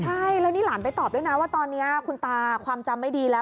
ใช่แล้วนี่หลานไปตอบด้วยนะว่าตอนนี้คุณตาความจำไม่ดีแล้ว